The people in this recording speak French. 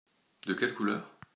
De quelle couleur ?